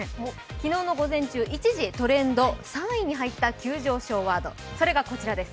昨日の午前中、一時トレンド３位に入った急上昇ワードがこちらです。